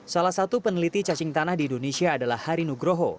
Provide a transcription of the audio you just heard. salah satu peneliti cacing tanah di indonesia adalah hari nugroho